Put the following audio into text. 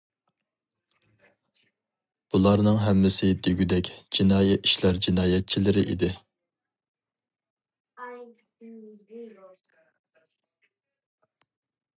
بۇلارنىڭ ھەممىسى دېگۈدەك جىنايى ئىشلار جىنايەتچىلىرى ئىدى.